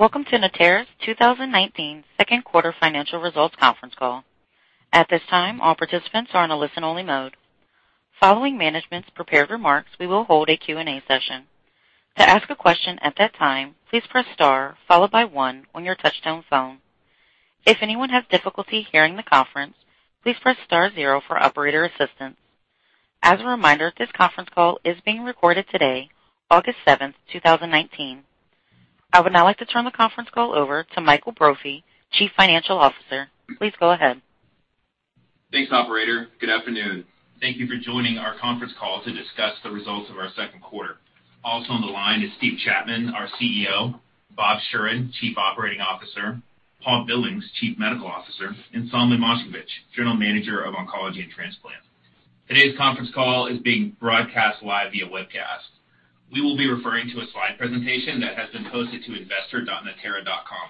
Welcome to Natera's 2019 second quarter financial results conference call. At this time, all participants are on a listen-only mode. Following management's prepared remarks, we will hold a Q&A session. To ask a question at that time, please press star followed by one on your touch-tone phone. If anyone has difficulty hearing the conference, please press star zero for operator assistance. As a reminder, this conference call is being recorded today, August 7th, 2019. I would now like to turn the conference call over to Mike Brophy, Chief Financial Officer. Please go ahead. Thanks, operator. Good afternoon. Thank you for joining our conference call to discuss the results of our second quarter. Also on the line is Steve Chapman, our CEO, Robert Schueren, Chief Operating Officer, Paul Billings, Chief Medical Officer, and Solomon Moshkevich, General Manager of Oncology and Transplant. Today's conference call is being broadcast live via webcast. We will be referring to a slide presentation that has been posted to investor.natera.com.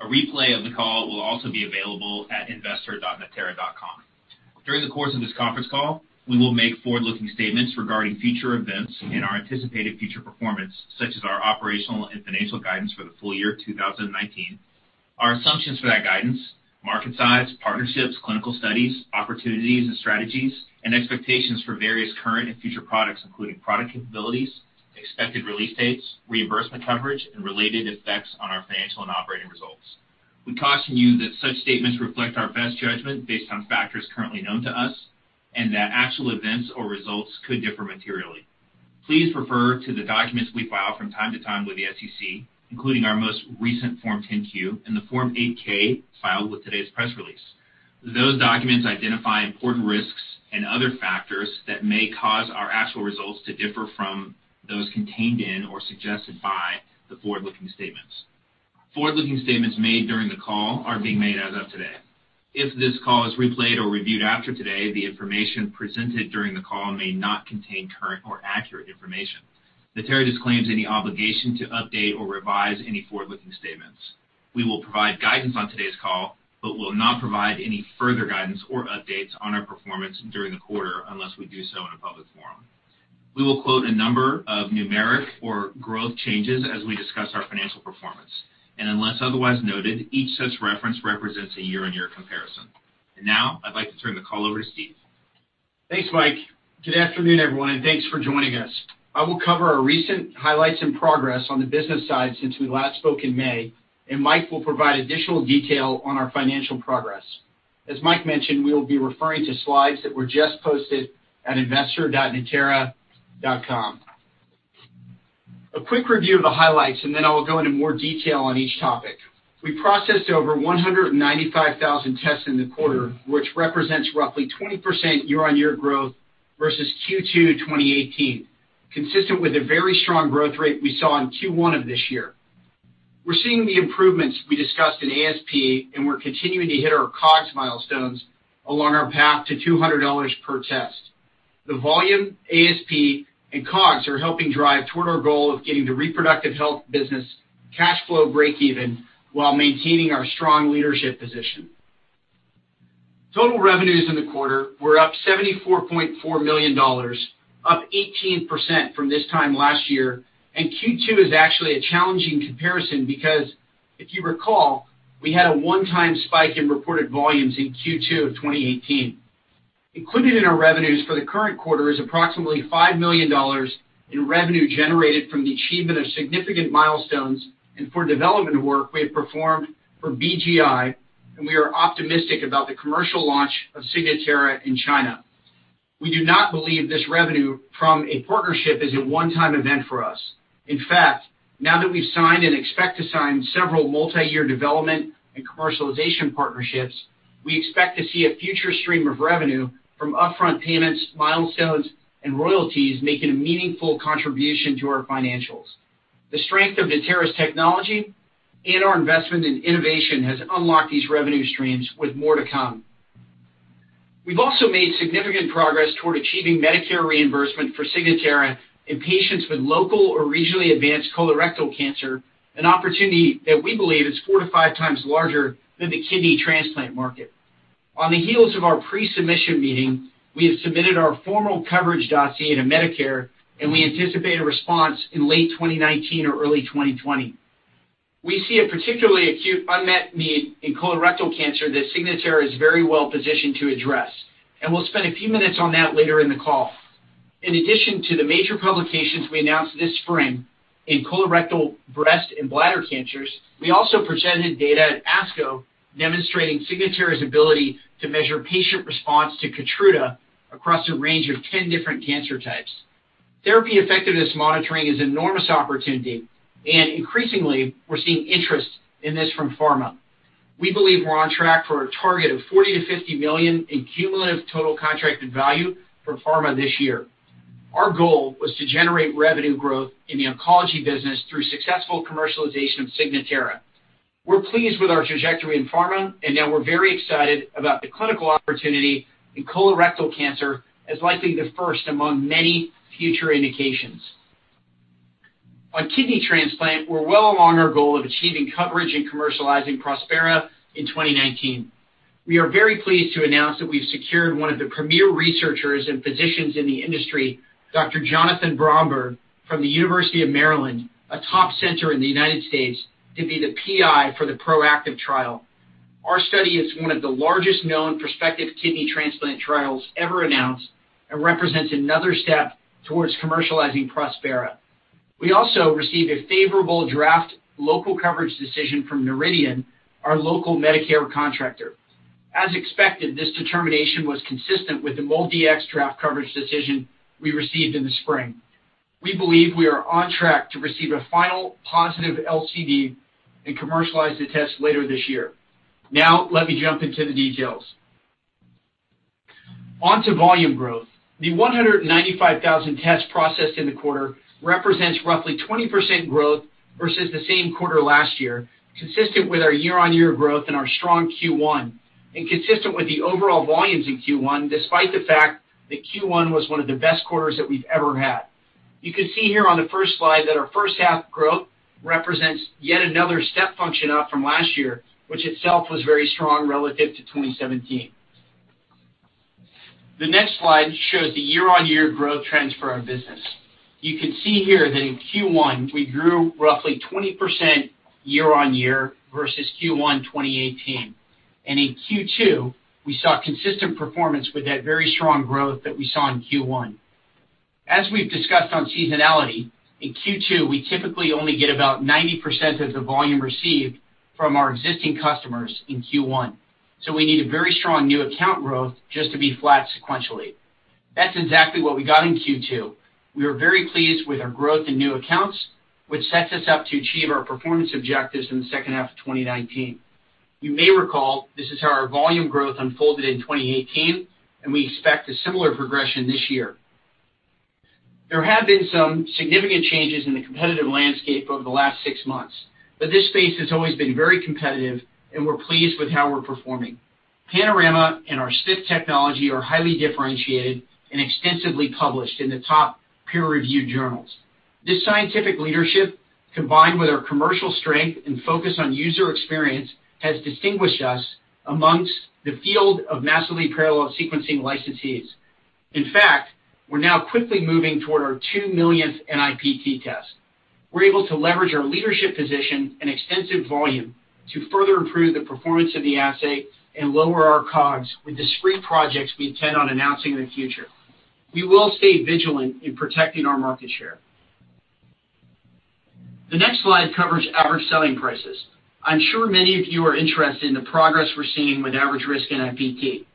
A replay of the call will also be available at investor.natera.com. During the course of this conference call, we will make forward-looking statements regarding future events and our anticipated future performance, such as our operational and financial guidance for the full year 2019, our assumptions for that guidance, market size, partnerships, clinical studies, opportunities and strategies, and expectations for various current and future products, including product capabilities, expected release dates, reimbursement coverage, and related effects on our financial and operating results. We caution you that such statements reflect our best judgment based on factors currently known to us, and that actual events or results could differ materially. Please refer to the documents we file from time to time with the SEC, including our most recent Form 10-Q and the Form 8-K filed with today's press release. Those documents identify important risks and other factors that may cause our actual results to differ from those contained in or suggested by the forward-looking statements. Forward-looking statements made during the call are being made as of today. If this call is replayed or reviewed after today, the information presented during the call may not contain current or accurate information. Natera disclaims any obligation to update or revise any forward-looking statements. We will provide guidance on today's call, but will not provide any further guidance or updates on our performance during the quarter unless we do so in a public forum. We will quote a number of numeric or growth changes as we discuss our financial performance, and unless otherwise noted, each such reference represents a year-on-year comparison. Now I'd like to turn the call over to Steve. Thanks, Mike. Good afternoon, everyone, and thanks for joining us. I will cover our recent highlights and progress on the business side since we last spoke in May, and Mike will provide additional detail on our financial progress. As Mike mentioned, we will be referring to slides that were just posted at investor.natera.com. A quick review of the highlights and then I will go into more detail on each topic. We processed over 195,000 tests in the quarter, which represents roughly 20% year-on-year growth versus Q2 2018, consistent with the very strong growth rate we saw in Q1 of this year. We're seeing the improvements we discussed in ASP, and we're continuing to hit our COGS milestones along our path to $200 per test. The volume, ASP, and COGS are helping drive toward our goal of getting the reproductive health business cash flow breakeven while maintaining our strong leadership position. Total revenues in the quarter were up $74.4 million, up 18% from this time last year. Q2 is actually a challenging comparison because, if you recall, we had a one-time spike in reported volumes in Q2 of 2018. Included in our revenues for the current quarter is approximately $5 million in revenue generated from the achievement of significant milestones and for development work we have performed for BGI. We are optimistic about the commercial launch of Signatera in China. We do not believe this revenue from a partnership is a one-time event for us. In fact, now that we've signed and expect to sign several multi-year development and commercialization partnerships, we expect to see a future stream of revenue from upfront payments, milestones, and royalties, making a meaningful contribution to our financials. The strength of Natera's technology and our investment in innovation has unlocked these revenue streams with more to come. We've also made significant progress toward achieving Medicare reimbursement for Signatera in patients with local or regionally advanced colorectal cancer, an opportunity that we believe is four to five times larger than the kidney transplant market. On the heels of our pre-submission meeting, we have submitted our formal coverage dossier to Medicare, and we anticipate a response in late 2019 or early 2020. We see a particularly acute unmet need in colorectal cancer that Signatera is very well positioned to address, and we'll spend a few minutes on that later in the call. In addition to the major publications we announced this spring in colorectal, breast, and bladder cancers, we also presented data at ASCO demonstrating Signatera's ability to measure patient response to KEYTRUDA across a range of 10 different cancer types. Therapy effectiveness monitoring is enormous opportunity, and increasingly, we're seeing interest in this from pharma. We believe we're on track for a target of $40 million-$50 million in cumulative total contracted value from pharma this year. Our goal was to generate revenue growth in the oncology business through successful commercialization of Signatera. We're pleased with our trajectory in pharma, and now we're very excited about the clinical opportunity in colorectal cancer as likely the first among many future indications. On kidney transplant, we're well along our goal of achieving coverage and commercializing Prospera in 2019. We are very pleased to announce that we've secured one of the premier researchers and physicians in the industry, Dr. Jonathan Bromberg from the University of Maryland, a top center in the U.S., to be the PI for the ProActive trial. Our study is one of the largest known prospective kidney transplant trials ever announced and represents another step towards commercializing Prospera. We also received a favorable draft local coverage decision from Noridian, our local Medicare contractor. As expected, this determination was consistent with the MolDX draft coverage decision we received in the spring. We believe we are on track to receive a final positive LCD and commercialize the test later this year. Let me jump into the details. On to volume growth. The 195,000 tests processed in the quarter represents roughly 20% growth versus the same quarter last year, consistent with our year-on-year growth and our strong Q1, consistent with the overall volumes in Q1, despite the fact that Q1 was one of the best quarters that we've ever had. You can see here on the first slide that our first half growth represents yet another step function up from last year, which itself was very strong relative to 2017. The next slide shows the year-on-year growth trends for our business. You can see here that in Q1, we grew roughly 20% year-on-year versus Q1 2018. In Q2, we saw consistent performance with that very strong growth that we saw in Q1. As we've discussed on seasonality, in Q2, we typically only get about 90% of the volume received from our existing customers in Q1. We need a very strong new account growth just to be flat sequentially. That's exactly what we got in Q2. We are very pleased with our growth in new accounts, which sets us up to achieve our performance objectives in the second half of 2019. You may recall, this is how our volume growth unfolded in 2018, and we expect a similar progression this year. There have been some significant changes in the competitive landscape over the last six months, but this space has always been very competitive, and we're pleased with how we're performing. Panorama and our SNP technology are highly differentiated and extensively published in the top peer-reviewed journals. This scientific leadership, combined with our commercial strength and focus on user experience, has distinguished us amongst the field of massively parallel sequencing licensees. In fact, we're now quickly moving toward our 2 millionth NIPT test. We're able to leverage our leadership position and extensive volume to further improve the performance of the assay and lower our COGS with discrete projects we intend on announcing in the future. We will stay vigilant in protecting our market share. The next slide covers average selling prices. I'm sure many of you are interested in the progress we're seeing with average risk NIPT.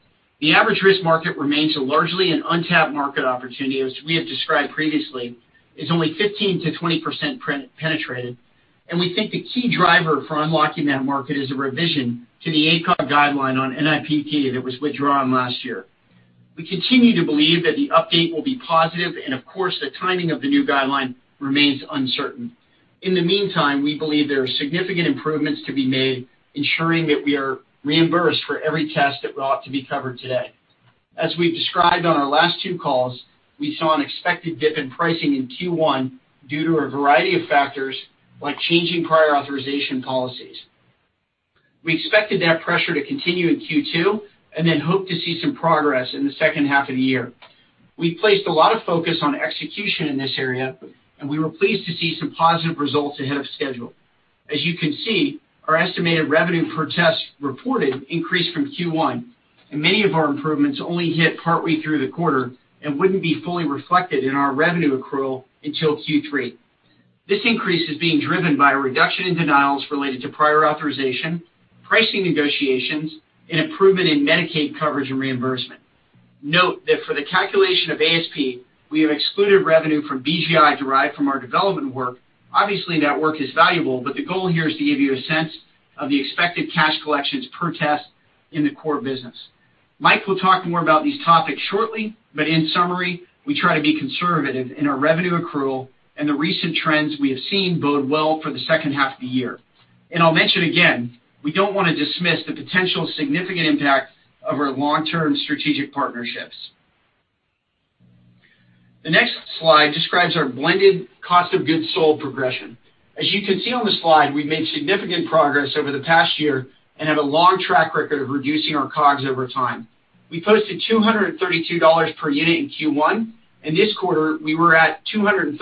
The average risk market remains largely an untapped market opportunity, as we have described previously. It's only 15%-20% penetrated, and we think the key driver for unlocking that market is a revision to the ACOG guideline on NIPT that was withdrawn last year. We continue to believe that the update will be positive, and of course, the timing of the new guideline remains uncertain. In the meantime, we believe there are significant improvements to be made, ensuring that we are reimbursed for every test that ought to be covered today. As we've described on our last two calls, we saw an expected dip in pricing in Q1 due to a variety of factors like changing prior authorization policies. We expected that pressure to continue in Q2 and then hope to see some progress in the second half of the year. We placed a lot of focus on execution in this area, and we were pleased to see some positive results ahead of schedule. As you can see, our estimated revenue per test reported increased from Q1, and many of our improvements only hit partway through the quarter and wouldn't be fully reflected in our revenue accrual until Q3. This increase is being driven by a reduction in denials related to prior authorization, pricing negotiations, and improvement in Medicaid coverage and reimbursement. Note that for the calculation of ASP, we have excluded revenue from BGI derived from our development work. Obviously, that work is valuable, but the goal here is to give you a sense of the expected cash collections per test in the core business. Mike will talk more about these topics shortly, but in summary, we try to be conservative in our revenue accrual, and the recent trends we have seen bode well for the second half of the year. I'll mention again, we don't want to dismiss the potential significant impact of our long-term strategic partnerships. The next slide describes our blended cost of goods sold progression. As you can see on the slide, we've made significant progress over the past year and have a long track record of reducing our COGS over time. We posted $232 per unit in Q1, and this quarter, we were at $236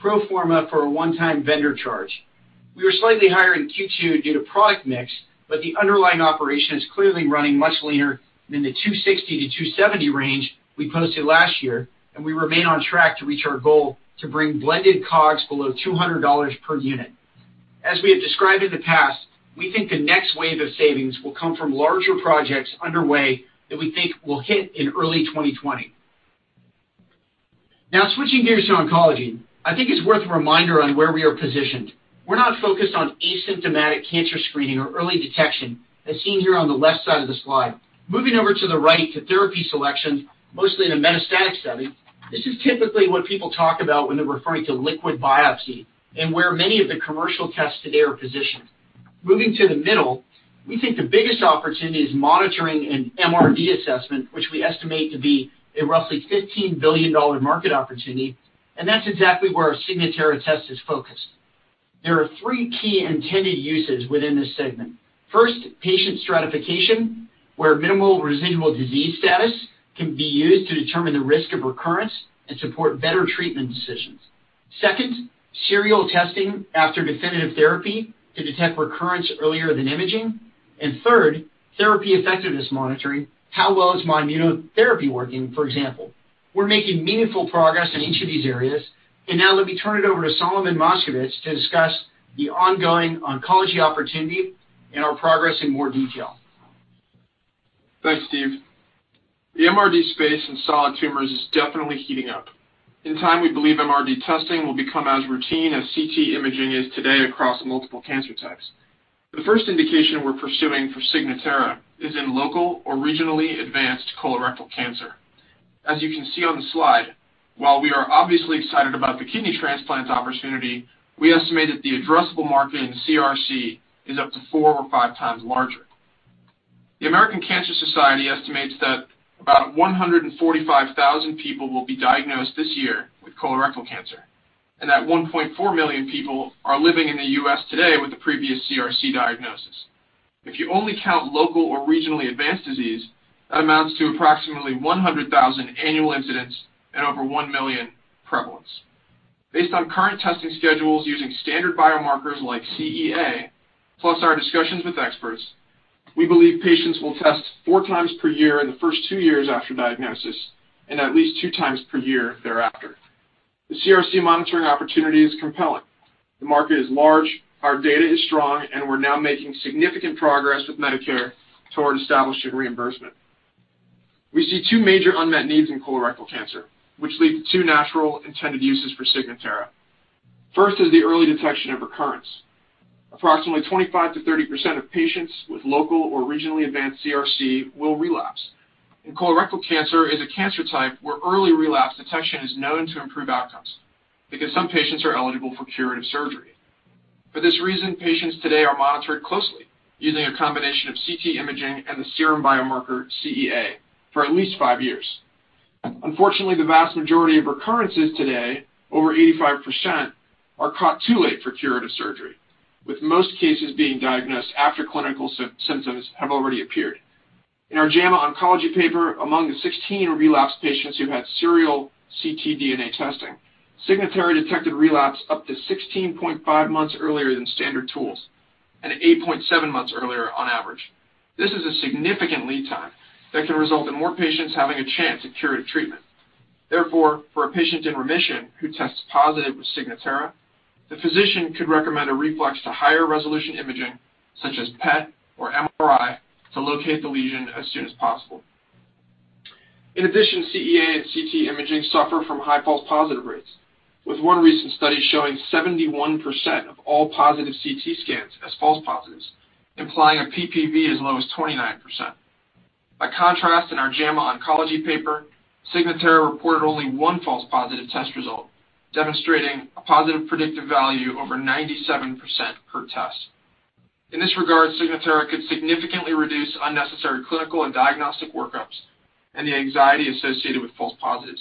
pro forma for a one-time vendor charge. We were slightly higher in Q2 due to product mix, but the underlying operation is clearly running much leaner than the $260-$270 range we posted last year, and we remain on track to reach our goal to bring blended COGS below $200 per unit. As we have described in the past, we think the next wave of savings will come from larger projects underway that we think will hit in early 2020. Switching gears to oncology. I think it's worth a reminder on where we are positioned. We're not focused on asymptomatic cancer screening or early detection, as seen here on the left side of the slide. Moving over to the right to therapy selection, mostly in a metastatic setting, this is typically what people talk about when they're referring to liquid biopsy and where many of the commercial tests today are positioned. Moving to the middle, we think the biggest opportunity is monitoring and MRD assessment, which we estimate to be a roughly $15 billion market opportunity. That's exactly where our Signatera test is focused. There are three key intended uses within this segment. First, patient stratification, where minimal residual disease status can be used to determine the risk of recurrence and support better treatment decisions. Second, serial testing after definitive therapy to detect recurrence earlier than imaging. Third, therapy effectiveness monitoring. How well is my immunotherapy working, for example? We're making meaningful progress in each of these areas, and now let me turn it over to Solomon Moshkevich to discuss the ongoing oncology opportunity and our progress in more detail. Thanks, Steve. The MRD space in solid tumors is definitely heating up. In time, we believe MRD testing will become as routine as CT imaging is today across multiple cancer types. The first indication we're pursuing for Signatera is in local or regionally advanced colorectal cancer. As you can see on the slide, while we are obviously excited about the kidney transplant opportunity, we estimate that the addressable market in CRC is up to 4 or 5 times larger. The American Cancer Society estimates that about 145,000 people will be diagnosed this year with colorectal cancer, and that 1.4 million people are living in the U.S. today with a previous CRC diagnosis. If you only count local or regionally advanced disease, that amounts to approximately 100,000 annual incidents and over 1 million prevalence. Based on current testing schedules using standard biomarkers like CEA, plus our discussions with experts, we believe patients will test four times per year in the first two years after diagnosis and at least two times per year thereafter. The CRC monitoring opportunity is compelling. The market is large, our data is strong, and we're now making significant progress with Medicare toward establishing reimbursement. We see two major unmet needs in colorectal cancer, which lead to two natural intended uses for Signatera. First is the early detection of recurrence. Approximately 25% to 30% of patients with local or regionally advanced CRC will relapse. Colorectal cancer is a cancer type where early relapse detection is known to improve outcomes because some patients are eligible for curative surgery. For this reason, patients today are monitored closely using a combination of CT imaging and the serum biomarker CEA for at least five years. Unfortunately, the vast majority of recurrences today, over 85%, are caught too late for curative surgery, with most cases being diagnosed after clinical symptoms have already appeared. In our JAMA Oncology paper, among the 16 relapse patients who had serial ctDNA testing, Signatera detected relapse up to 16.5 months earlier than standard tools and 8.7 months earlier on average. This is a significant lead time that can result in more patients having a chance at curative treatment. Therefore, for a patient in remission who tests positive with Signatera, the physician could recommend a reflex to higher resolution imaging, such as PET or MRI, to locate the lesion as soon as possible. In addition, CEA and CT imaging suffer from high false positive rates, with one recent study showing 71% of all positive CT scans as false positives, implying a PPV as low as 29%. By contrast, in our JAMA Oncology paper, Signatera reported only one false positive test result, demonstrating a positive predictive value over 97% per test. In this regard, Signatera could significantly reduce unnecessary clinical and diagnostic workups and the anxiety associated with false positives.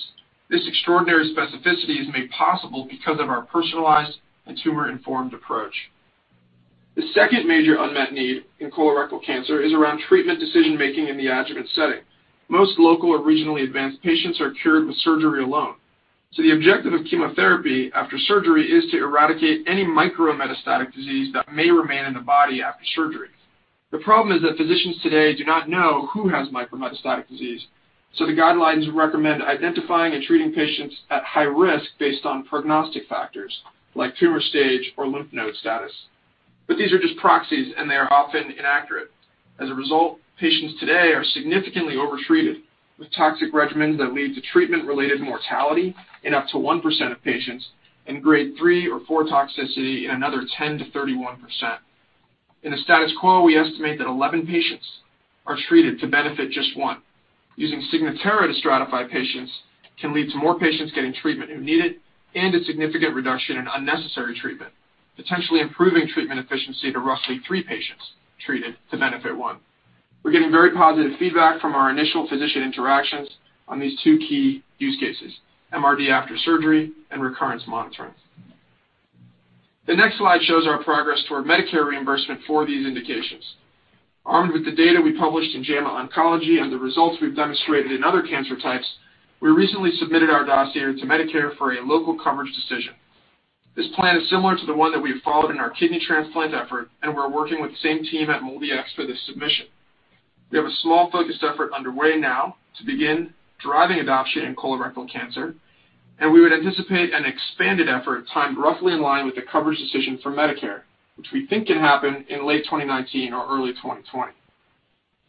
This extraordinary specificity is made possible because of our personalized and tumor-informed approach. The second major unmet need in colorectal cancer is around treatment decision-making in the adjuvant setting. Most local or regionally advanced patients are cured with surgery alone. The objective of chemotherapy after surgery is to eradicate any micrometastatic disease that may remain in the body after surgery. The problem is that physicians today do not know who has micrometastatic disease, so the guidelines recommend identifying and treating patients at high risk based on prognostic factors like tumor stage or lymph node status. These are just proxies, and they are often inaccurate. As a result, patients today are significantly over-treated with toxic regimens that lead to treatment-related mortality in up to 1% of patients and Grade 3 or 4 toxicity in another 10%-31%. In the status quo, we estimate that 11 patients are treated to benefit just one. Using Signatera to stratify patients can lead to more patients getting treatment who need it and a significant reduction in unnecessary treatment, potentially improving treatment efficiency to roughly three patients treated to benefit one. We're getting very positive feedback from our initial physician interactions on these two key use cases, MRD after surgery and recurrence monitoring. The next slide shows our progress toward Medicare reimbursement for these indications. Armed with the data we published in JAMA Oncology and the results we've demonstrated in other cancer types, we recently submitted our dossier to Medicare for a local coverage decision. This plan is similar to the one that we've followed in our kidney transplant effort, and we're working with the same team at MolDX for this submission. We have a small focused effort underway now to begin driving adoption in colorectal cancer, and we would anticipate an expanded effort timed roughly in line with the coverage decision from Medicare, which we think can happen in late 2019 or early 2020.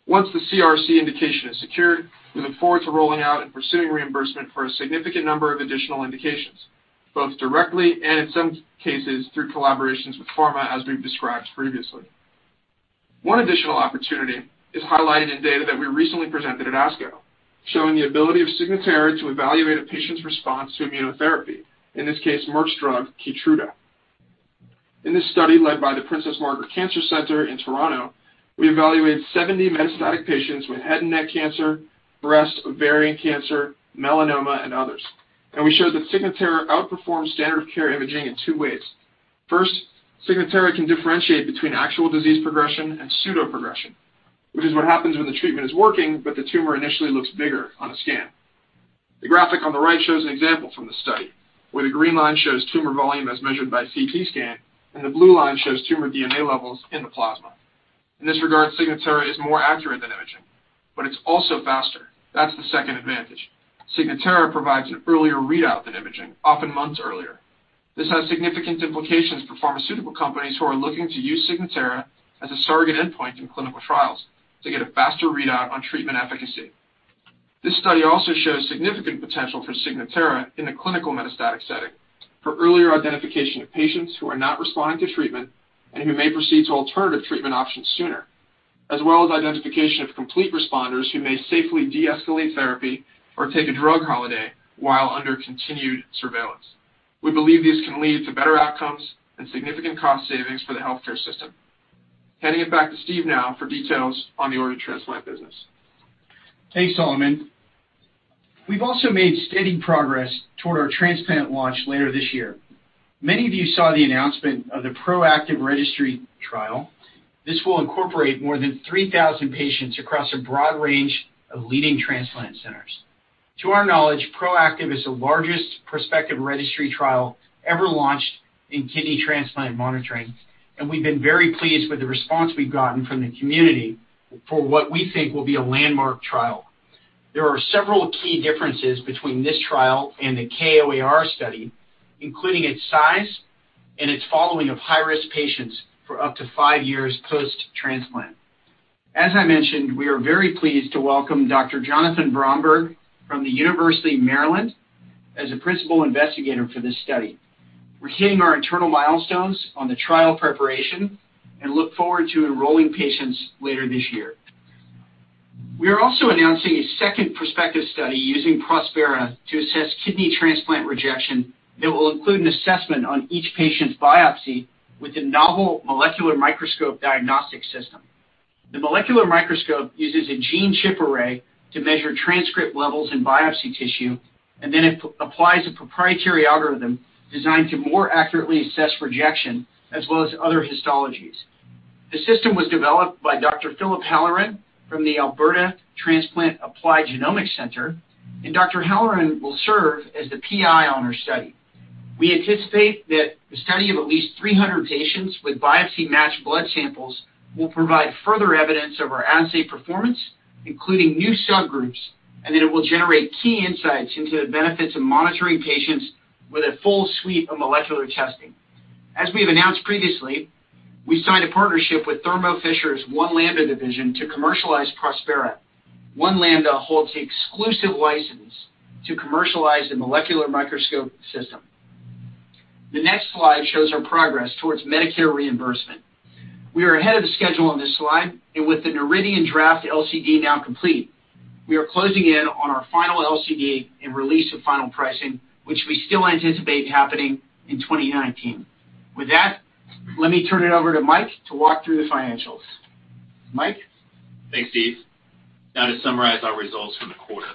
Once the CRC indication is secured, we look forward to rolling out and pursuing reimbursement for a significant number of additional indications, both directly and in some cases through collaborations with pharma, as we've described previously. One additional opportunity is highlighted in data that we recently presented at ASCO, showing the ability of Signatera to evaluate a patient's response to immunotherapy, in this case, Merck's drug, KEYTRUDA. In this study, led by the Princess Margaret Cancer Centre in Toronto. We evaluated 70 metastatic patients with head and neck cancer, breast and ovarian cancer, melanoma, and others. We showed that Signatera outperformed standard of care imaging in two ways. First, Signatera can differentiate between actual disease progression and pseudoprogression, which is what happens when the treatment is working, but the tumor initially looks bigger on a scan. The graphic on the right shows an example from the study, where the green line shows tumor volume as measured by CT scan, and the blue line shows tumor DNA levels in the plasma. In this regard, Signatera is more accurate than imaging, but it's also faster. That's the second advantage. Signatera provides an earlier readout than imaging, often months earlier. This has significant implications for pharmaceutical companies who are looking to use Signatera as a surrogate endpoint in clinical trials to get a faster readout on treatment efficacy. This study also shows significant potential for Signatera in the clinical metastatic setting for earlier identification of patients who are not responding to treatment and who may proceed to alternative treatment options sooner, as well as identification of complete responders who may safely deescalate therapy or take a drug holiday while under continued surveillance. We believe these can lead to better outcomes and significant cost savings for the healthcare system. Handing it back to Steve now for details on the organ transplant business. Thanks, Solomon. We've also made steady progress toward our transplant launch later this year. Many of you saw the announcement of the ProActive registry trial. This will incorporate more than 3,000 patients across a broad range of leading transplant centers. To our knowledge, ProActive is the largest prospective registry trial ever launched in kidney transplant monitoring, and we've been very pleased with the response we've gotten from the community for what we think will be a landmark trial. There are several key differences between this trial and the KOAR study, including its size and its following of high-risk patients for up to five years post-transplant. As I mentioned, we are very pleased to welcome Dr. Jonathan Bromberg from the University of Maryland as a principal investigator for this study. We're hitting our internal milestones on the trial preparation and look forward to enrolling patients later this year. We are also announcing a second prospective study using Prospera to assess kidney transplant rejection that will include an assessment on each patient's biopsy with the novel Molecular Microscope diagnostic system. The Molecular Microscope uses a gene chip array to measure transcript levels in biopsy tissue and then applies a proprietary algorithm designed to more accurately assess rejection as well as other histologies. The system was developed by Dr. Philip Halloran from the Alberta Transplant Applied Genomics Centre. Dr. Halloran will serve as the PI on our study. We anticipate that the study of at least 300 patients with biopsy-matched blood samples will provide further evidence of our assay performance, including new subgroups, and that it will generate key insights into the benefits of monitoring patients with a full suite of molecular testing. As we have announced previously, we signed a partnership with Thermo Fisher's One Lambda division to commercialize Prospera. One Lambda holds the exclusive license to commercialize the Molecular Microscope system. The next slide shows our progress towards Medicare reimbursement. We are ahead of schedule on this slide. With the Noridian draft LCD now complete, we are closing in on our final LCD and release of final pricing, which we still anticipate happening in 2019. With that, let me turn it over to Mike to walk through the financials. Mike? Thanks, Steve. To summarize our results for the quarter.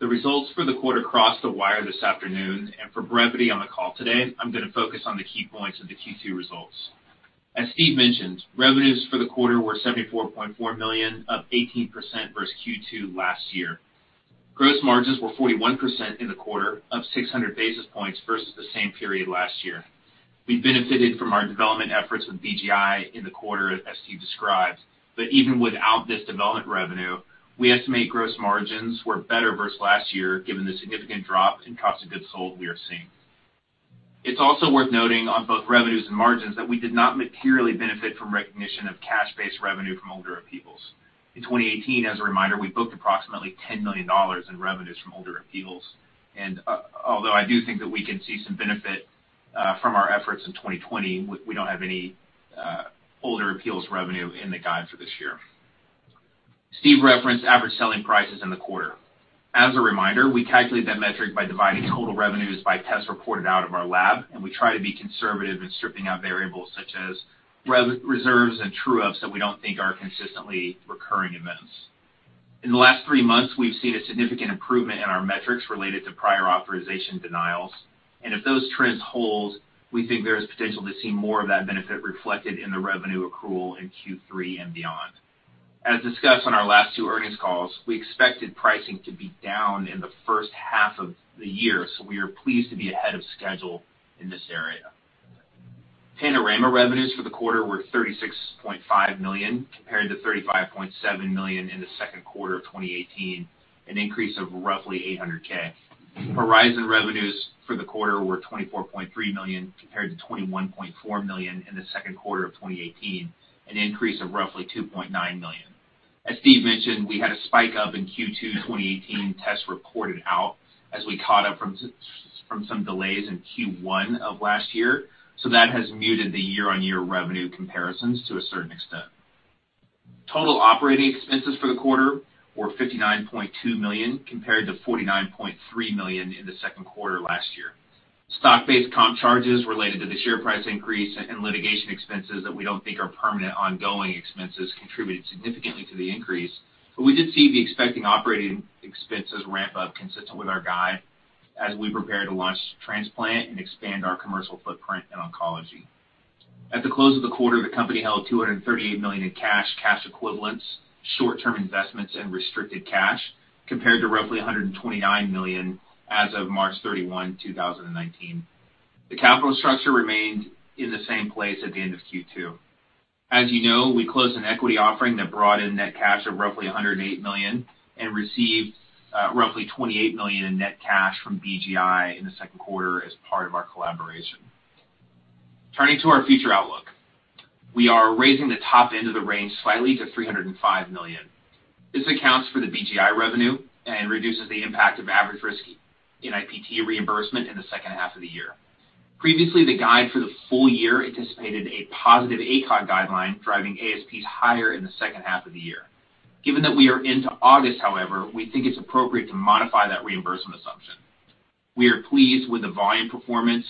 The results for the quarter crossed the wire this afternoon, and for brevity on the call today, I'm going to focus on the key points of the Q2 results. As Steve mentioned, revenues for the quarter were $74.4 million, up 18% versus Q2 last year. Gross margins were 41% in the quarter, up 600 basis points versus the same period last year. We benefited from our development efforts with BGI in the quarter, as Steve described. Even without this development revenue, we estimate gross margins were better versus last year, given the significant drop in cost of goods sold we are seeing. It's also worth noting on both revenues and margins that we did not materially benefit from recognition of cash-based revenue from older appeals. In 2018, as a reminder, we booked approximately $10 million in revenues from older appeals. Although I do think that we can see some benefit from our efforts in 2020, we don't have any older appeals revenue in the guide for this year. Steve referenced average selling prices in the quarter. As a reminder, we calculate that metric by dividing total revenues by tests reported out of our lab, and we try to be conservative in stripping out variables such as reserves and true-ups that we don't think are consistently recurring events. In the last three months, we've seen a significant improvement in our metrics related to prior authorization denials. If those trends hold, we think there is potential to see more of that benefit reflected in the revenue accrual in Q3 and beyond. As discussed on our last two earnings calls, we expected pricing to be down in the first half of the year, so we are pleased to be ahead of schedule in this area. Panorama revenues for the quarter were $36.5 million, compared to $35.7 million in the second quarter of 2018, an increase of roughly $800K. Horizon revenues for the quarter were $24.3 million, compared to $21.4 million in the second quarter of 2018, an increase of roughly $2.9 million. As Steve mentioned, we had a spike up in Q2 2018 tests reported out as we caught up from some delays in Q1 of last year, so that has muted the year-on-year revenue comparisons to a certain extent. Total operating expenses for the quarter were $59.2 million, compared to $49.3 million in the second quarter last year. Stock-based comp charges related to the share price increase and litigation expenses that we don't think are permanent ongoing expenses contributed significantly to the increase. We did see the expecting operating expenses ramp up consistent with our guide as we prepare to launch transplant and expand our commercial footprint in oncology. At the close of the quarter, the company held $238 million in cash equivalents, short-term investments and restricted cash, compared to roughly $129 million as of March 31, 2019. The capital structure remained in the same place at the end of Q2. As you know, we closed an equity offering that brought in net cash of roughly $108 million and received roughly $28 million in net cash from BGI in the second quarter as part of our collaboration. Turning to our future outlook. We are raising the top end of the range slightly to $305 million. This accounts for the BGI revenue and reduces the impact of average-risk NIPT reimbursement in the second half of the year. Previously, the guide for the full year anticipated a positive ACOG guideline, driving ASPs higher in the second half of the year. Given that we are into August, however, we think it's appropriate to modify that reimbursement assumption. We are pleased with the volume performance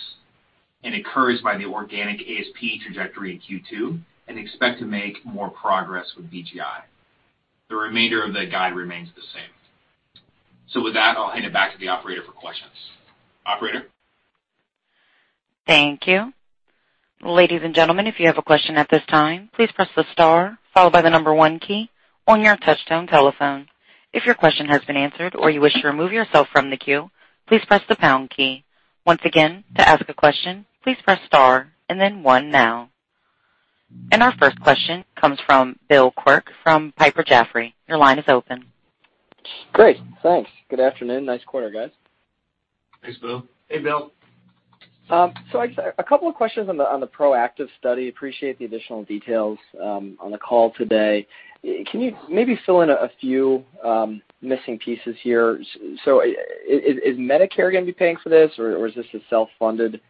and encouraged by the organic ASP trajectory in Q2 and expect to make more progress with BGI. The remainder of the guide remains the same. With that, I'll hand it back to the operator for questions. Operator? Thank you. Ladies and gentlemen, if you have a question at this time, please press the star followed by the number one key on your touch-tone telephone. If your question has been answered or you wish to remove yourself from the queue, please press the pound key. Once again, to ask a question, please press star and then one now. Our first question comes from Bill Quirk from Piper Jaffray. Your line is open. Great. Thanks. Good afternoon. Nice quarter, guys. Thanks, Bill. Hey, Bill. A couple of questions on the ProActive study. Appreciate the additional details on the call today. Can you maybe fill in a few missing pieces here? Is Medicare going to be paying for this, or is this a self-funded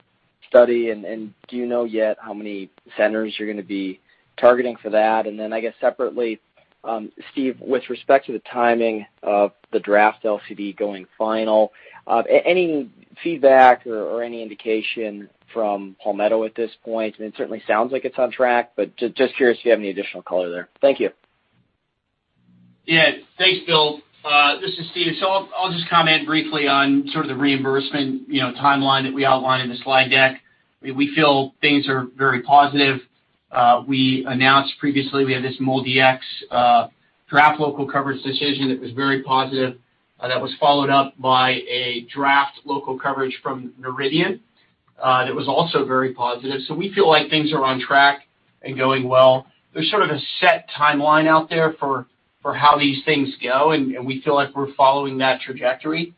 study? Do you know yet how many centers you're going to be targeting for that? I guess separately, Steve, with respect to the timing of the draft LCD going final, any feedback or any indication from Palmetto at this point? I mean, it certainly sounds like it's on track, but just curious if you have any additional color there. Thank you. Thanks, Bill. This is Steve. I'll just comment briefly on sort of the reimbursement timeline that we outlined in the slide deck. We feel things are very positive. We announced previously we have this MolDX draft local coverage decision that was very positive. That was followed up by a draft local coverage from Noridian. That was also very positive. We feel like things are on track and going well. There's sort of a set timeline out there for how these things go, and we feel like we're following that trajectory.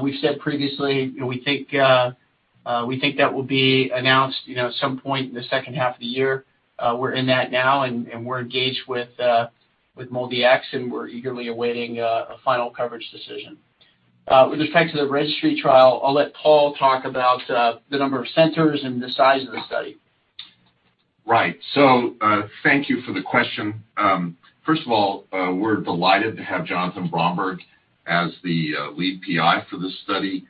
We've said previously, we think that will be announced at some point in the second half of the year. We're in that now and we're engaged with MolDX, and we're eagerly awaiting a final coverage decision. With respect to the registry trial, I'll let Paul talk about the number of centers and the size of the study. Right. Thank you for the question. First of all, we're delighted to have Jonathan Bromberg as the lead PI for this study.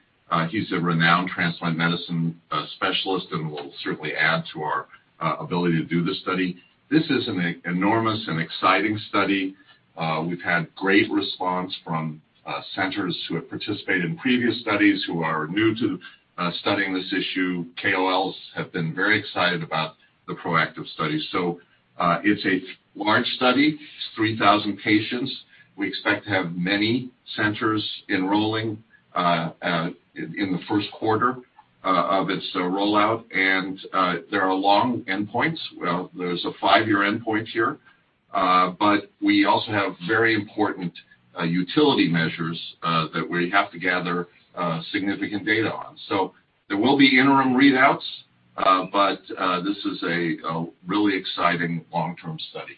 He's a renowned transplant medicine specialist and will certainly add to our ability to do this study. This is an enormous and exciting study. We've had great response from centers who have participated in previous studies, who are new to studying this issue. KOLs have been very excited about the ProActive study. It's a large study. It's 3,000 patients. We expect to have many centers enrolling in the first quarter of its rollout. There are long endpoints. Well, there's a five-year endpoint here. We also have very important utility measures that we have to gather significant data on. There will be interim readouts, but this is a really exciting long-term study.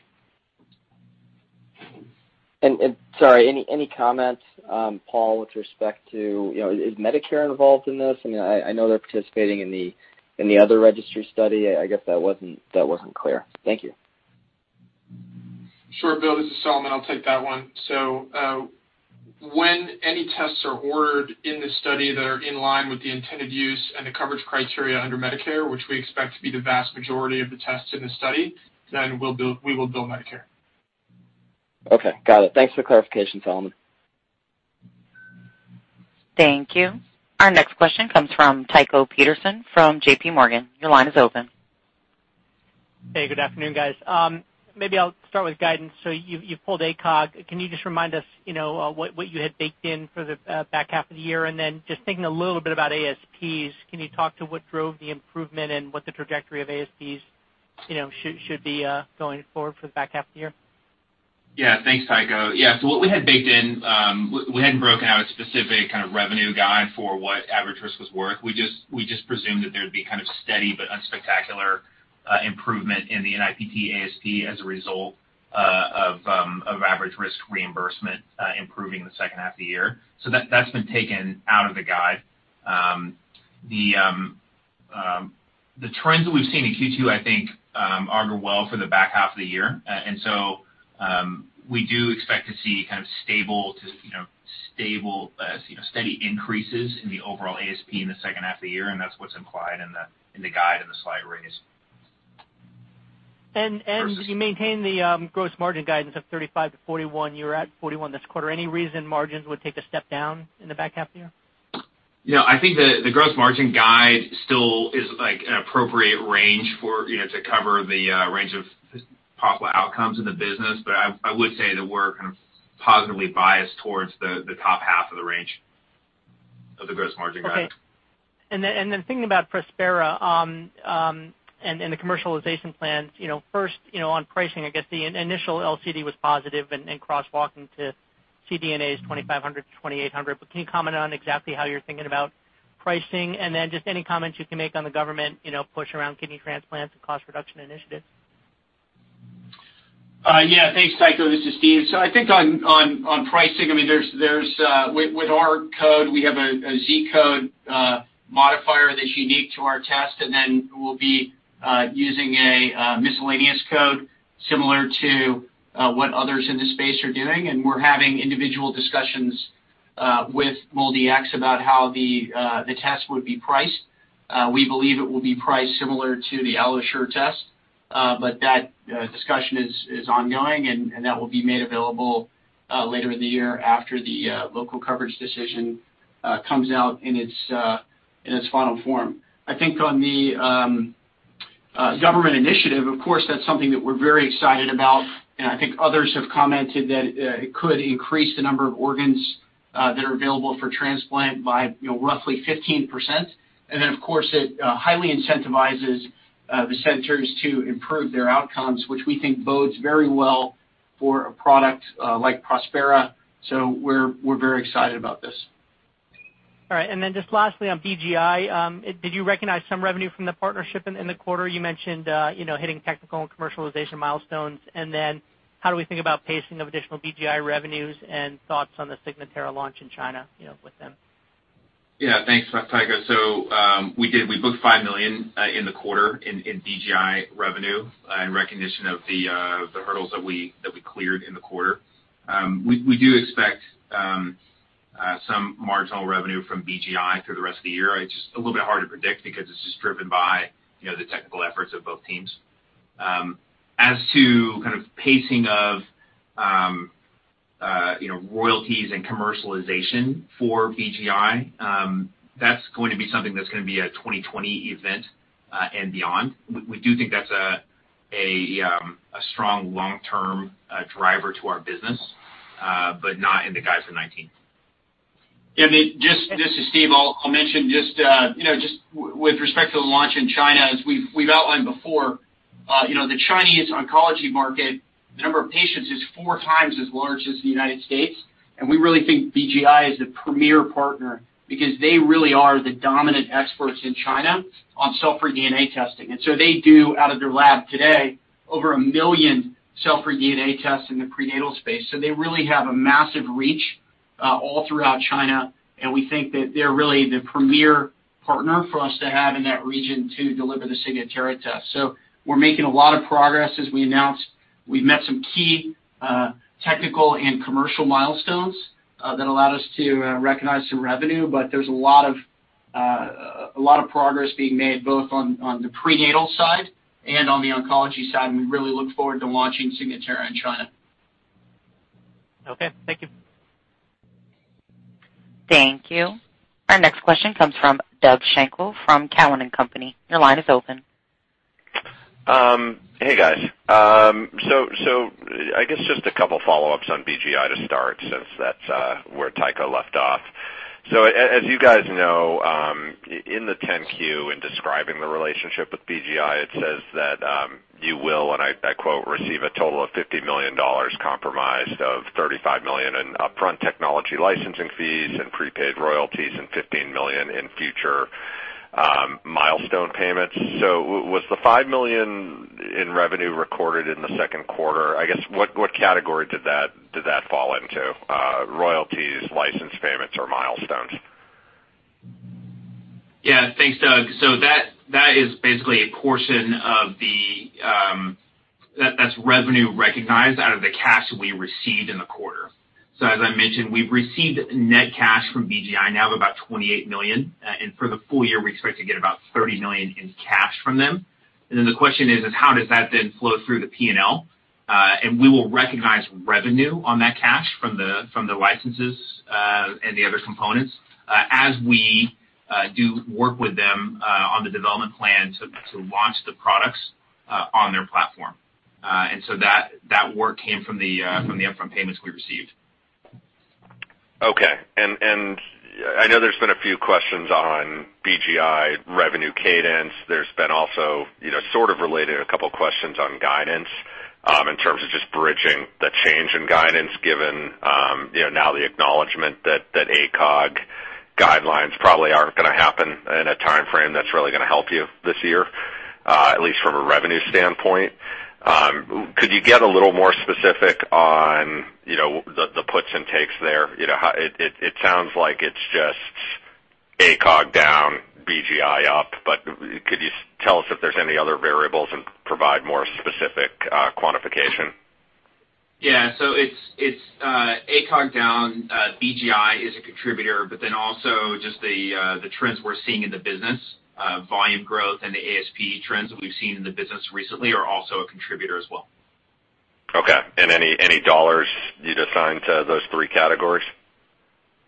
Sorry, any comments, Paul, with respect to, is Medicare involved in this? I know they're participating in the other registry study. I guess that wasn't clear. Thank you. Sure, Bill. This is Solomon. I'll take that one. When any tests are ordered in this study that are in line with the intended use and the coverage criteria under Medicare, which we expect to be the vast majority of the tests in the study, then we will bill Medicare. Okay. Got it. Thanks for the clarification, Solomon. Thank you. Our next question comes from Tycho Peterson from J.P. Morgan. Your line is open. Hey, good afternoon, guys. Maybe I'll start with guidance. You pulled ACOG. Can you just remind us what you had baked in for the back half of the year? Just thinking a little bit about ASPs, can you talk to what drove the improvement and what the trajectory of ASPs should be going forward for the back half of the year? Yeah. Thanks, Tycho. Yeah. What we had baked in, we hadn't broken out a specific kind of revenue guide for what average risk was worth. We just presumed that there'd be kind of steady but unspectacular improvement in the NIPT ASP as a result of average risk reimbursement improving in the second half of the year. That's been taken out of the guide. The trends that we've seen in Q2, I think, augur well for the back half of the year. We do expect to see stable, steady increases in the overall ASP in the second half of the year, and that's what's implied in the guide and the slide release. Did you maintain the gross margin guidance of 35%-41%? You were at 41% this quarter. Any reason margins would take a step down in the back half of the year? Yeah, I think the gross margin guide still is an appropriate range to cover the range of possible outcomes in the business. I would say that we're positively biased towards the top half of the range of the gross margin guidance. Okay. Then thinking about Prospera and the commercialization plans, first, on pricing, I guess the initial LCD was positive and crosswalking to CareDx's $2,500-$2,800. Can you comment on exactly how you're thinking about pricing? Then just any comments you can make on the government push around kidney transplants and cost reduction initiatives. Yeah. Thanks, Tycho. This is Steve. I think on pricing, with our code, we have a Z-code modifier that's unique to our test, and then we'll be using a miscellaneous code similar to what others in the space are doing. We're having individual discussions with MolDX about how the test would be priced. We believe it will be priced similar to the AlloSure test. That discussion is ongoing, and that will be made available later in the year after the local coverage decision comes out in its final form. I think on the government initiative, of course, that's something that we're very excited about. I think others have commented that it could increase the number of organs that are available for transplant by roughly 15%. Of course, it highly incentivizes the centers to improve their outcomes, which we think bodes very well for a product like Prospera. We're very excited about this. All right. Just lastly on BGI, did you recognize some revenue from the partnership in the quarter? You mentioned hitting technical and commercialization milestones. How do we think about pacing of additional BGI revenues and thoughts on the Signatera launch in China with them? Thanks for that, Tycho. We booked $5 million in the quarter in BGI revenue in recognition of the hurdles that we cleared in the quarter. We do expect some marginal revenue from BGI through the rest of the year. It's just a little bit hard to predict because it's just driven by the technical efforts of both teams. As to kind of pacing of royalties and commercialization for BGI, that's going to be something that's going to be a 2020 event and beyond. We do think that's a strong long-term driver to our business, not in the guides for 2019. This is Steve. I'll mention just with respect to the launch in China, as we've outlined before, the Chinese oncology market, the number of patients is four times as large as the U.S., and we really think BGI is the premier partner because they really are the dominant experts in China on cell-free DNA testing. They do out of their lab today over 1 million cell-free DNA tests in the prenatal space. They really have a massive reach all throughout China, and we think that they're really the premier partner for us to have in that region to deliver the Signatera test. We're making a lot of progress. As we announced, we've met some key technical and commercial milestones that allowed us to recognize some revenue. There's a lot of progress being made both on the prenatal side and on the oncology side. We really look forward to launching Signatera in China. Okay. Thank you. Thank you. Our next question comes from Doug Schenkel from Cowen and Company. Your line is open. I guess just a couple follow-ups on BGI to start, since that's where Tycho left off. As you guys know, in the 10-Q, in describing the relationship with BGI, it says that you will, and I quote, "Receive a total of $50 million comprised of $35 million in upfront technology licensing fees and prepaid royalties and $15 million in future milestone payments." Was the $5 million in revenue recorded in the second quarter? I guess, what category did that fall into? Royalties, license payments or milestones? Yeah. Thanks, Doug. That's revenue recognized out of the cash that we received in the quarter. As I mentioned, we've received net cash from BGI now of about $28 million, and for the full year, we expect to get about $30 million in cash from them. The question is: how does that then flow through the P&L? We will recognize revenue on that cash from the licenses and the other components as we do work with them on the development plan to launch the products on their platform. That work came from the upfront payments we received. Okay. I know there's been a few questions on BGI revenue cadence. There's been also sort of related a couple questions on guidance in terms of just bridging the change in guidance given now the acknowledgement that ACOG guidelines probably aren't going to happen in a timeframe that's really going to help you this year, at least from a revenue standpoint. Could you get a little more specific on the puts and takes there? It sounds like it's just ACOG down, BGI up, but could you tell us if there's any other variables and provide more specific quantification? Yeah. It's ACOG down. BGI is a contributor, also just the trends we're seeing in the business, volume growth and the ASP trends that we've seen in the business recently are also a contributor as well. Okay. Any dollars you'd assign to those three categories?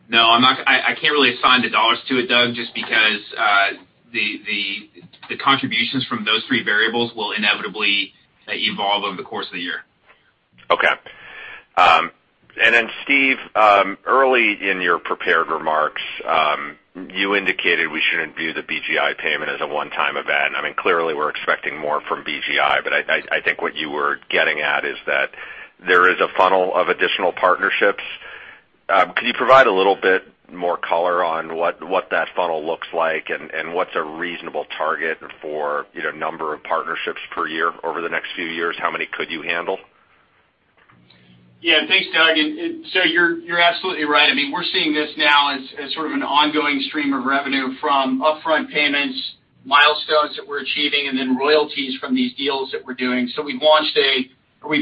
No, I can't really assign the dollars to it, Doug, just because the contributions from those three variables will inevitably evolve over the course of the year. Okay. Steve, early in your prepared remarks, you indicated we shouldn't view the BGI payment as a one-time event. I mean, clearly we're expecting more from BGI, but I think what you were getting at is that there is a funnel of additional partnerships. Could you provide a little bit more color on what that funnel looks like and what's a reasonable target for number of partnerships per year over the next few years? How many could you handle? Yeah, thanks, Doug. You're absolutely right. We're seeing this now as sort of an ongoing stream of revenue from upfront payments, milestones that we're achieving, and then royalties from these deals that we're doing. So we've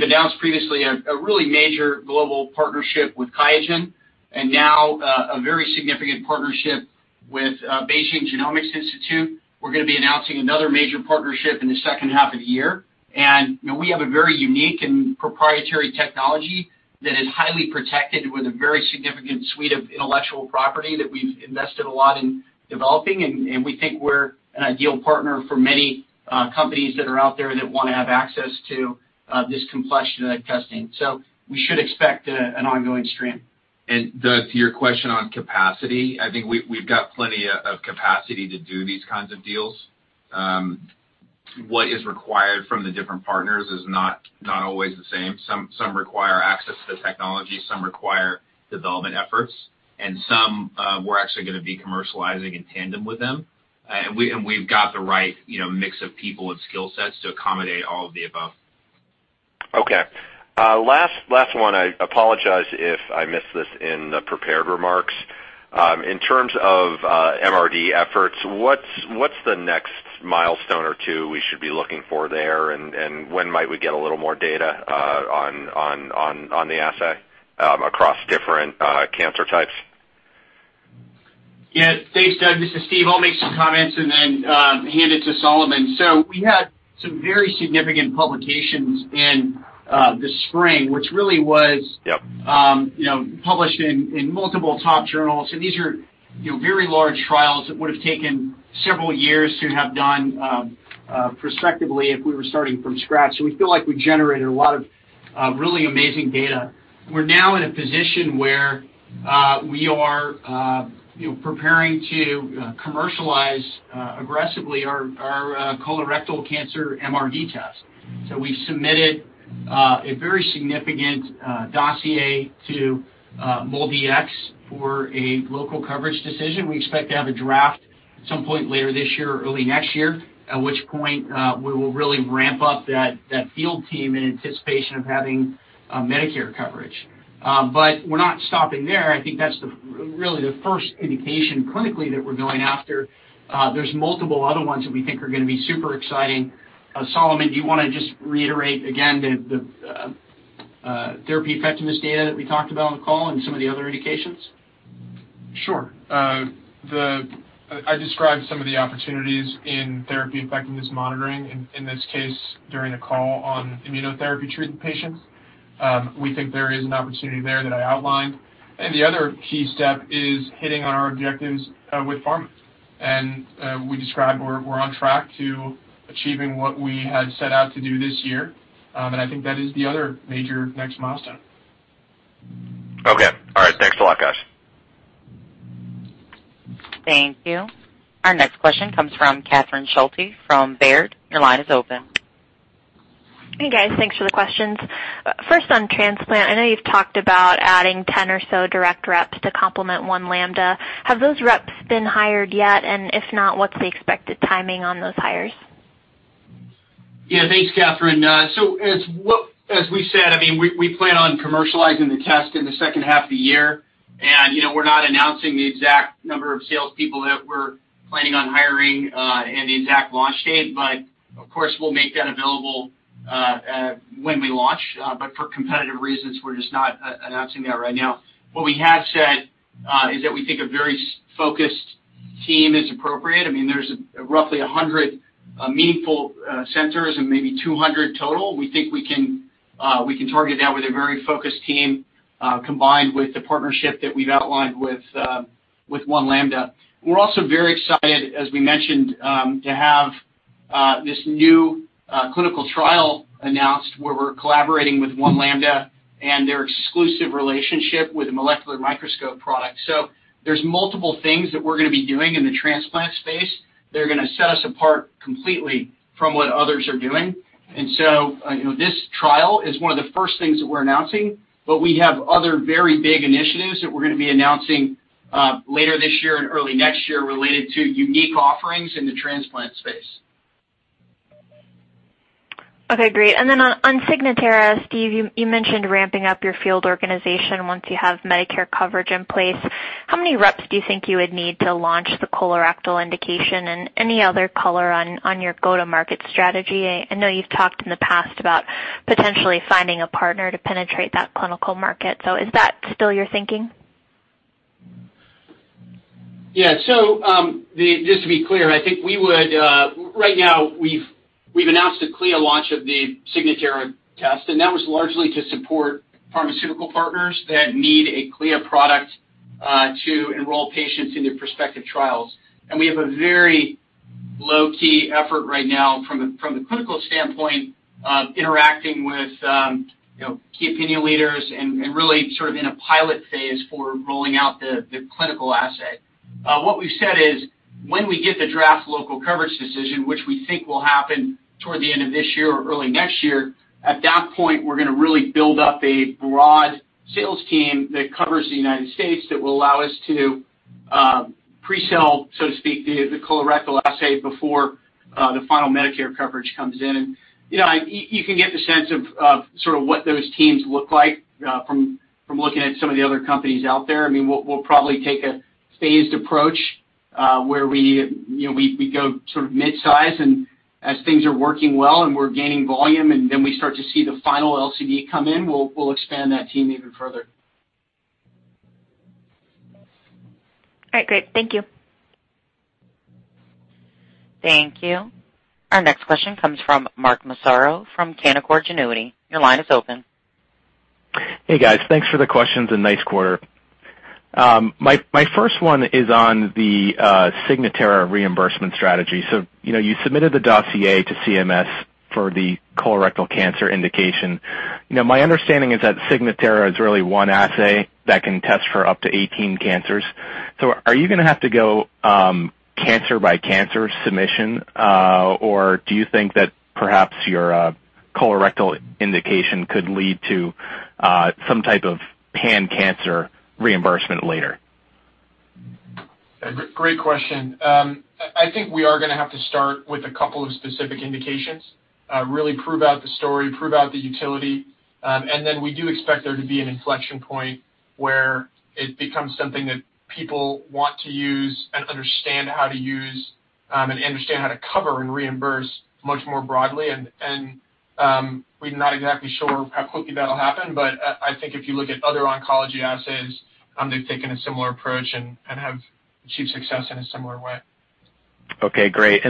announced previously a really major global partnership with QIAGEN. Now a very significant partnership with Beijing Genomics Institute. We're going to be announcing another major partnership in the second half of the year. We have a very unique and proprietary technology that is highly protected with a very significant suite of intellectual property that we've invested a lot in developing. And we think we're an ideal partner for many companies that are out there that want to have access to this complexion of testing. So we should expect an ongoing stream. Doug, to your question on capacity, I think we've got plenty of capacity to do these kinds of deals. What is required from the different partners is not always the same. Some require access to technology, some require development efforts, and some we're actually going to be commercializing in tandem with them. We've got the right mix of people and skill sets to accommodate all of the above. Okay. Last one. I apologize if I missed this in the prepared remarks. In terms of MRD efforts, what's the next milestone or two we should be looking for there? When might we get a little more data on the assay across different cancer types? Yeah. Thanks, Doug. This is Steve. I'll make some comments and then hand it to Solomon. We had some very significant publications in the spring. Yep published in multiple top journals. These are very large trials that would've taken several years to have done prospectively if we were starting from scratch. We feel like we generated a lot of really amazing data. We're now in a position where we are preparing to commercialize aggressively our colorectal cancer MRD test. We've submitted a very significant dossier to MolDX for a local coverage decision. We expect to have a draft at some point later this year or early next year, at which point we will really ramp up that field team in anticipation of having Medicare coverage. We're not stopping there. I think that's really the first indication clinically that we're going after. There's multiple other ones that we think are going to be super exciting. Solomon, do you want to just reiterate again the therapy effectiveness data that we talked about on the call and some of the other indications? Sure. I described some of the opportunities in therapy effectiveness monitoring, in this case, during a call on immunotherapy treated patients. We think there is an opportunity there that I outlined. The other key step is hitting on our objectives with pharma. We described we're on track to achieving what we had set out to do this year. I think that is the other major next milestone. Okay. All right. Thanks a lot, guys. Thank you. Our next question comes from Catherine Schulte from Baird. Your line is open. Hey, guys. Thanks for the questions. First on transplant, I know you've talked about adding 10 or so direct reps to complement One Lambda. Have those reps been hired yet? If not, what's the expected timing on those hires? Yeah. Thanks, Catherine. As we said, we plan on commercializing the test in the second half of the year. We're not announcing the exact number of salespeople that we're planning on hiring and the exact launch date, but of course, we'll make that available when we launch. For competitive reasons, we're just not announcing that right now. What we have said is that we think a very focused team is appropriate. There's roughly 100 meaningful centers and maybe 200 total. We think we can target that with a very focused team, combined with the partnership that we've outlined with One Lambda. We're also very excited, as we mentioned, to have this new clinical trial announced, where we're collaborating with One Lambda and their exclusive relationship with a Molecular Microscope product. There's multiple things that we're going to be doing in the transplant space that are going to set us apart completely from what others are doing. This trial is one of the first things that we're announcing, but we have other very big initiatives that we're going to be announcing later this year and early next year related to unique offerings in the transplant space. Okay, great. Then on Signatera, Steve, you mentioned ramping up your field organization once you have Medicare coverage in place. How many reps do you think you would need to launch the colorectal indication and any other color on your go-to-market strategy? I know you've talked in the past about potentially finding a partner to penetrate that clinical market. Is that still your thinking? Yeah. Just to be clear, I think right now we've announced a CLIA launch of the Signatera test, and that was largely to support pharmaceutical partners that need a CLIA product, to enroll patients in their prospective trials. We have a very low-key effort right now from the clinical standpoint of interacting with key opinion leaders and really sort of in a pilot phase for rolling out the clinical assay. What we've said is, when we get the draft local coverage decision, which we think will happen toward the end of this year or early next year, at that point, we're going to really build up a broad sales team that covers the United States that will allow us to pre-sell, so to speak, the colorectal assay before the final Medicare coverage comes in. You can get the sense of sort of what those teams look like, from looking at some of the other companies out there. We'll probably take a phased approach, where we go mid-size and as things are working well and we're gaining volume and then we start to see the final LCD come in, we'll expand that team even further. All right, great. Thank you. Thank you. Our next question comes from Mark Massaro from Canaccord Genuity. Your line is open. Hey, guys. Thanks for the questions and nice quarter. My first one is on the Signatera reimbursement strategy. You submitted the dossier to CMS for the colorectal cancer indication. My understanding is that Signatera is really one assay that can test for up to 18 cancers. Are you going to have to go cancer-by-cancer submission? Do you think that perhaps your colorectal indication could lead to some type of pan-cancer reimbursement later? Great question. I think we are going to have to start with a couple of specific indications, really prove out the story, prove out the utility. Then we do expect there to be an inflection point where it becomes something that people want to use and understand how to use, and understand how to cover and reimburse much more broadly. We're not exactly sure how quickly that'll happen, but I think if you look at other oncology assays, they've taken a similar approach and have achieved success in a similar way. Okay, great.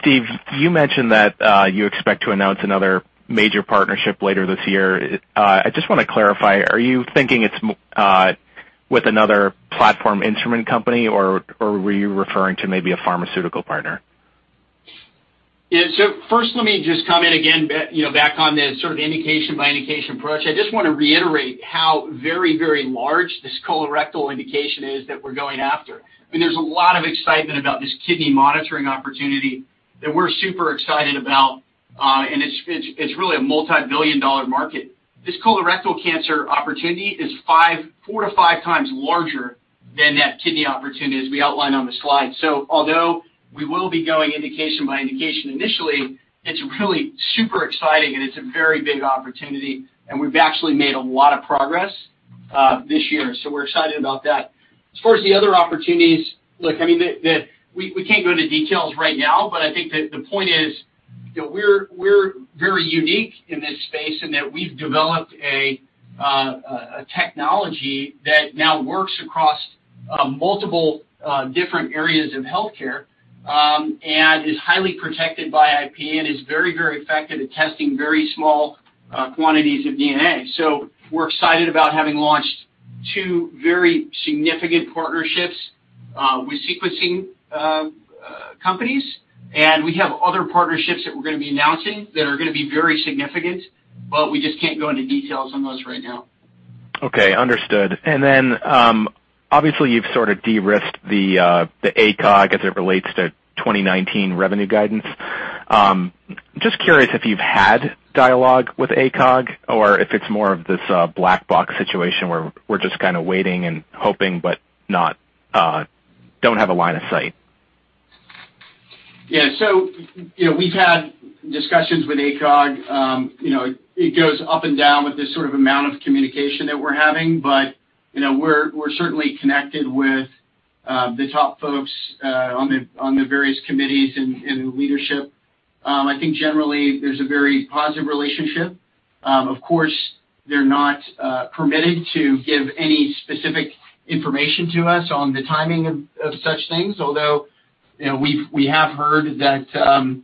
Steve, you mentioned that you expect to announce another major partnership later this year. I just want to clarify, are you thinking it's with another platform instrument company, or were you referring to maybe a pharmaceutical partner? Yeah. First let me just comment again, back on the sort of indication-by-indication approach. I just want to reiterate how very large this colorectal indication is that we're going after. There's a lot of excitement about this kidney monitoring opportunity that we're super excited about, and it's really a multi-billion-dollar market. This colorectal cancer opportunity is four to five times larger than that kidney opportunity as we outlined on the slide. Although we will be going indication by indication initially, it's really super exciting and it's a very big opportunity and we've actually made a lot of progress this year, so we're excited about that. As far as the other opportunities, look, we can't go into details right now, but I think that the point is, we're very unique in this space and that we've developed a technology that now works across multiple different areas of healthcare, and is highly protected by IP and is very effective at testing very small quantities of DNA. We're excited about having launched two very significant partnerships, with sequencing companies. We have other partnerships that we're going to be announcing that are going to be very significant, but we just can't go into details on those right now. Okay, understood. Obviously you've sort of de-risked the ACOG as it relates to 2019 revenue guidance. Just curious if you've had dialogue with ACOG or if it's more of this black box situation where we're just kind of waiting and hoping, but don't have a line of sight. Yeah. We've had discussions with ACOG. It goes up and down with the sort of amount of communication that we're having, but we're certainly connected with the top folks on the various committees and leadership. I think generally there's a very positive relationship. Of course, they're not permitted to give any specific information to us on the timing of such things, although, we have heard that an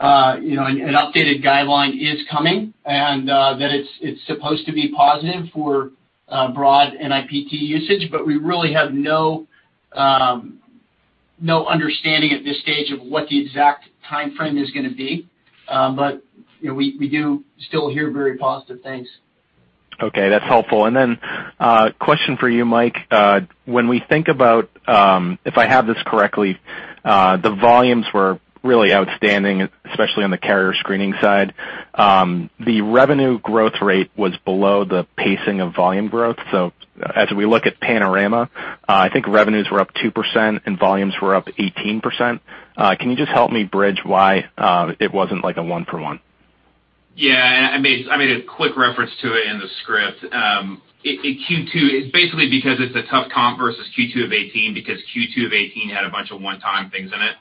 updated guideline is coming and that it's supposed to be positive for broad NIPT usage, but we really have no understanding at this stage of what the exact timeframe is going to be. We do still hear very positive things. Okay, that's helpful. A question for you, Mike. When we think about, if I have this correctly, the volumes were really outstanding, especially on the carrier screening side. The revenue growth rate was below the pacing of volume growth. As we look at Panorama, I think revenues were up 2% and volumes were up 18%. Can you just help me bridge why it wasn't like a one for one? Yeah, I made a quick reference to it in the script. In Q2, it's basically because it's a tough comp versus Q2 of 2018 because Q2 of 2018 had a bunch of one-time things in it.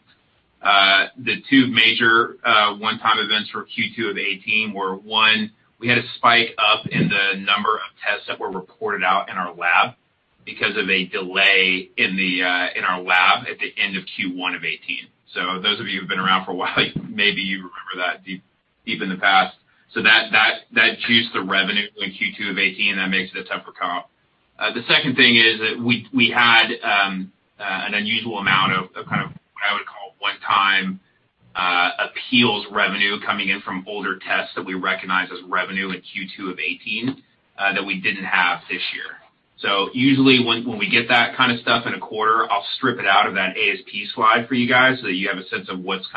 The two major one-time events for Q2 of 2018 were, one, we had a spike up in the number of tests that were reported out in our lab because of a delay in our lab at the end of Q1 of 2018. Those of you who've been around for a while, maybe you remember that deep in the past. That juiced the revenue in Q2 of 2018. That makes it a tougher comp. The second thing is that we had an unusual amount of what I would call one-time appeals revenue coming in from older tests that we recognized as revenue in Q2 of 2018 that we didn't have this year. Usually, when we get that kind of stuff in a quarter, I'll strip it out of that ASP slide for you guys so that you have a sense of what's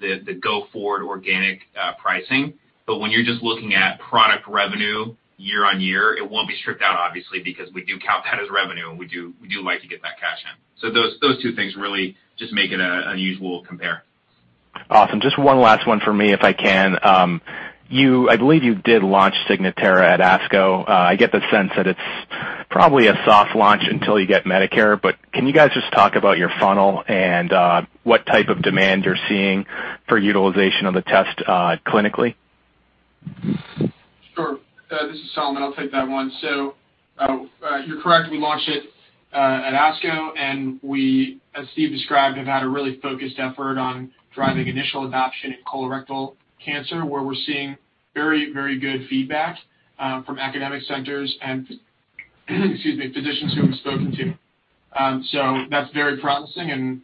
the go-forward organic pricing. When you're just looking at product revenue year-over-year, it won't be stripped out, obviously, because we do count that as revenue and we do like to get that cash in. Those two things really just make it an unusual compare. Awesome. Just one last one for me, if I can. I believe you did launch Signatera at ASCO. I get the sense that it's probably a soft launch until you get Medicare, but can you guys just talk about your funnel and what type of demand you're seeing for utilization of the test clinically? Sure. This is Solomon. I'll take that one. You're correct, we launched it at ASCO, and we, as Steve described, have had a really focused effort on driving initial adoption in colorectal cancer, where we're seeing very good feedback from academic centers and, excuse me, physicians who we've spoken to. That's very promising and,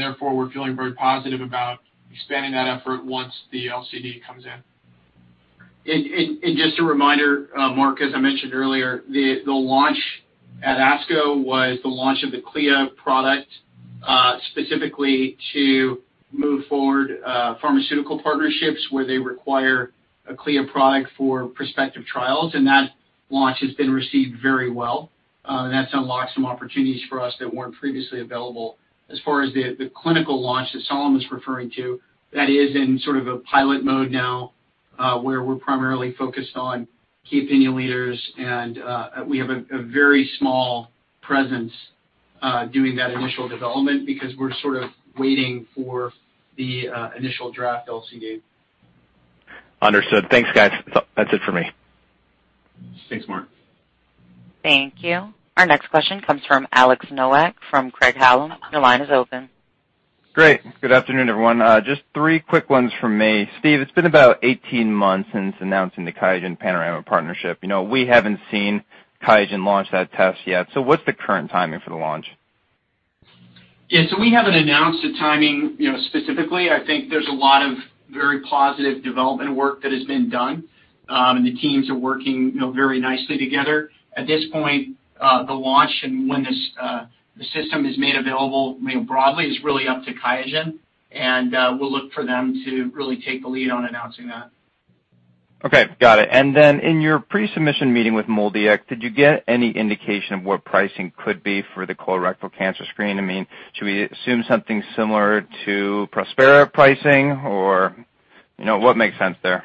therefore, we're feeling very positive about expanding that effort once the LCD comes in. Just a reminder, Mark, as I mentioned earlier, the launch at ASCO was the launch of the CLIA product, specifically to move forward pharmaceutical partnerships where they require a CLIA product for prospective trials, and that launch has been received very well. That's unlocked some opportunities for us that weren't previously available. As far as the clinical launch that Solomon's referring to, that is in a pilot mode now, where we're primarily focused on key opinion leaders, and we have a very small presence doing that initial development because we're waiting for the initial draft LCD. Understood. Thanks, guys. That's it for me. Thanks, Mark. Thank you. Our next question comes from Alex Nowak from Craig-Hallum. Your line is open. Great. Good afternoon, everyone. Just three quick ones from me. Steve, it's been about 18 months since announcing the QIAGEN Panorama partnership. We haven't seen QIAGEN launch that test yet. What's the current timing for the launch? We haven't announced a timing specifically. I think there's a lot of very positive development work that has been done. The teams are working very nicely together. At this point, the launch and when the system is made available more broadly is really up to QIAGEN, and we'll look for them to really take the lead on announcing that. Okay. Got it. In your pre-submission meeting with MolDX, did you get any indication of what pricing could be for the colorectal cancer screen? Should we assume something similar to Prospera pricing or what makes sense there?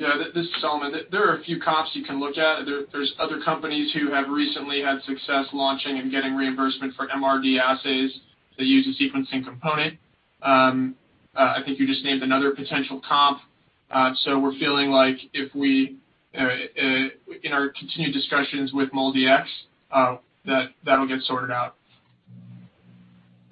Yeah, this is Solomon. There are a few comps you can look at. There's other companies who have recently had success launching and getting reimbursement for MRD assays that use a sequencing component. I think you just named another potential comp. We're feeling like in our continued discussions with MolDX, that'll get sorted out.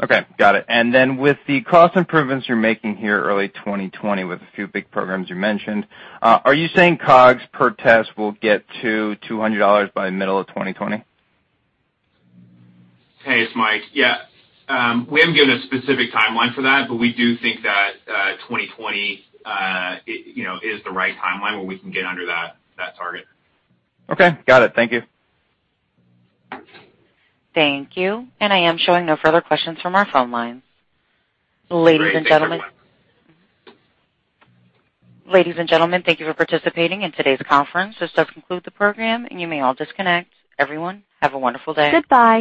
Okay, got it. Then with the cost improvements you're making here early 2020 with a few big programs you mentioned, are you saying COGS per test will get to $200 by middle of 2020? Hey, it's Mike. We haven't given a specific timeline for that, but we do think that 2020 is the right timeline where we can get under that target. Okay, got it. Thank you. Thank you. I am showing no further questions from our phone lines. Great. Thanks, everyone. Ladies and gentlemen, thank you for participating in today's conference. This does conclude the program, and you may all disconnect. Everyone, have a wonderful day. Goodbye